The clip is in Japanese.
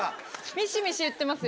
ミシミシいってますよ。